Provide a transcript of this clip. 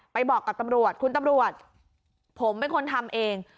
บอกกับตำรวจคุณตำรวจผมเป็นคนทำเอง